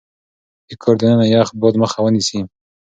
د کور دننه يخ باد مخه ونيسئ.